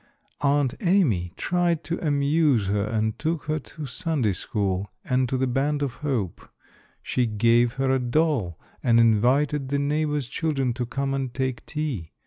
Aunt Amy tried to amuse her and took her to Sunday school, and to the Band of Hope. She gave her a doll and invited the neighbor's children to come and take tea.